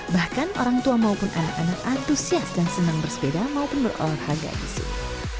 bahkan orang tua maupun anak anak antusias dan senang bersepeda maupun berolahraga di sini